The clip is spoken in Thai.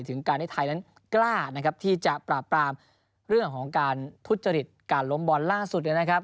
ถึงการที่ไทยนั้นกล้านะครับที่จะปราบปรามเรื่องของการทุจริตการล้มบอลล่าสุดนะครับ